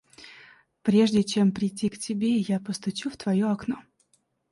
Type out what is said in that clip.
Прежде, чем придти к тебе, я постучу в твоё окно.